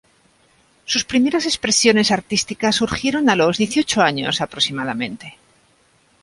Sus primeras expresiones artísticas surgieron a los dieciocho años aproximadamente.